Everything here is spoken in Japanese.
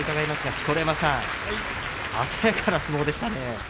錣山さん、鮮やかな相撲でしたね。